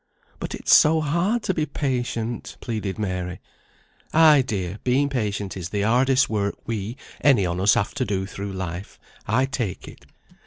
"But it's so hard to be patient," pleaded Mary. "Ay, dear; being patient is the hardest work we, any on us, have to do through life, I take it.